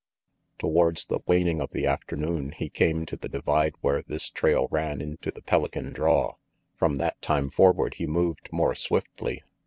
Towards the waning of the afternoon he came to the divide where this trail ran into the Pelican draw. From that time forward he moved more swiftly.